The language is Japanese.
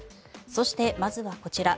そして、まずはこちら。